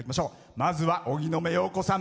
まずは、荻野目洋子さん。